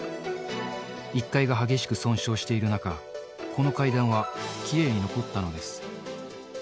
１階が激しく損傷している中、この階段はきれいに残ったのです。